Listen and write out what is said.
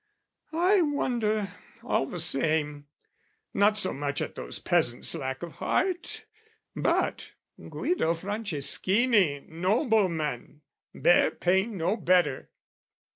I wonder, all the same, Not so much at those peasants' lack of heart; But Guido Franceschini, nobleman, Bear pain no better!